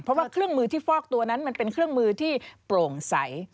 เพราะว่าเครื่องมือที่ฟอกตัวนั้นมันเป็นเครื่องมือที่โปร่งใส